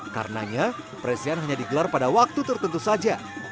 karenanya presiden hanya digelar pada waktu tertentu saja